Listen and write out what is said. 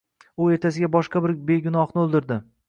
U ertasiga boshqa bir begunohni o’ldirdi.